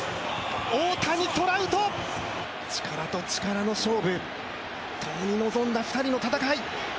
大谷トラウト力と力の勝負ともに臨んだ２人の戦い